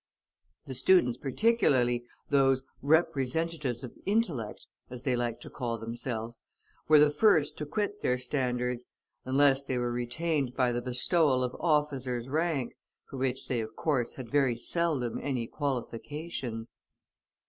The students particularly, those "representatives of intellect," as they liked to call themselves, were the first to quit their standards, unless they were retained by the bestowal of officer's rank, for which they, of course, had very seldom any qualifications.